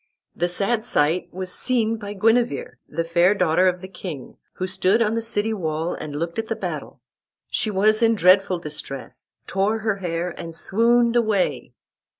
The sad sight was seen by Guenever, the fair daughter of the king, who stood on the city wall and looked at the battle. She was in dreadful distress, tore her hair, and swooned away.